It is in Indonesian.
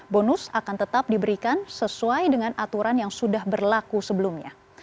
bonus akan tetap diberikan sesuai dengan aturan yang sudah berlaku sebelumnya